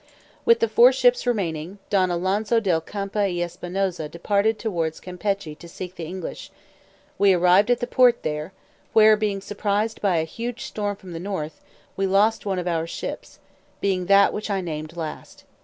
With the four ships remaining, Don Alonso del Campo y Espinosa departed towards Campechy to seek the English: we arrived at the port there, where, being surprised by a huge storm from the north, we lost one of our ships, being that which I named last.